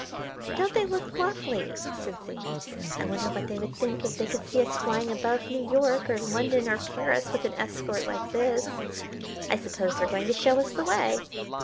"Don't they look lovely!" said Zaidie. "I wonder what they would think if they could see us flying above New York or London or Paris with an escort like this. I suppose they're going to show us the way.